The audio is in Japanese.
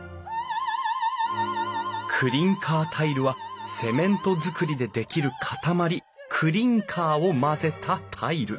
クリンカータイルはセメントづくりでできる塊クリンカーを混ぜたタイル。